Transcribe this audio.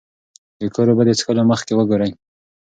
د کور اوبه د څښلو مخکې وګورئ.